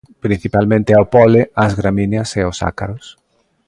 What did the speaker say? Principalmente ao pole, as gramíneas e aos ácaros.